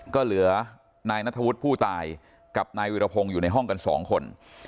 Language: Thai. ก็เหลือนายนัทธวุฒิผู้ตายกับนายวิรพงศ์อยู่ในห้องกันสองคน